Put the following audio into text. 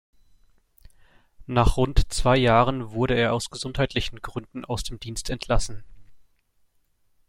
Nach rund zwei Jahren wurde er aus gesundheitlichen Gründen aus dem Dienst entlassen.